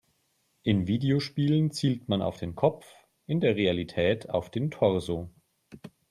In Videospielen zielt man auf den Kopf, in der Realität auf den Torso.